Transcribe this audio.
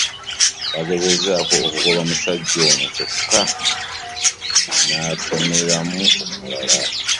Baagezezzaako okugoba omusajja ono kyokka n'atomeramu omulala.